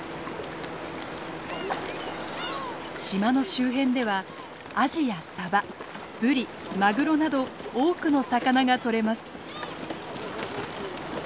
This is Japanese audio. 島の周辺ではアジやサバブリマグロなど多くの魚が取れます。